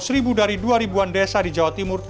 seribu dari dua ribuan desa di jawa timur